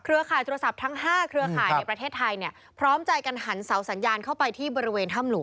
ข่ายโทรศัพท์ทั้ง๕เครือข่ายในประเทศไทยเนี่ยพร้อมใจกันหันเสาสัญญาณเข้าไปที่บริเวณถ้ำหลวง